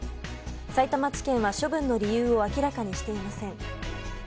さいたま地検は処分の理由を明らかにしていません。